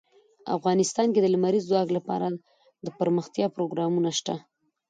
افغانستان کې د لمریز ځواک لپاره دپرمختیا پروګرامونه شته.